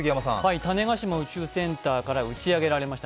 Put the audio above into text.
種子島宇宙センターから打ち上げられました